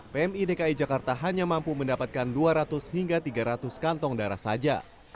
pmi dki jakarta hanya mampu mendapatkan dua ratus hingga tiga ratus kantong darah saja